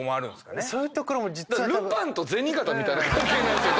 ルパンと銭形みたいな関係なんですよ